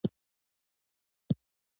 د زړه دروازه یوازې مینه پرانیزي.